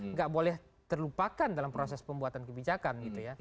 nggak boleh terlupakan dalam proses pembuatan kebijakan gitu ya